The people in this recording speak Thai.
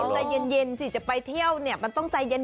ใจเย็นสิจะไปเที่ยวจะต้องใจเย็น